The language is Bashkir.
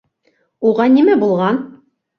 Уға нимә булған?